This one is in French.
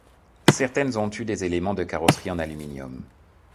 Certaines ont eu des éléments de carrosserie en aluminium.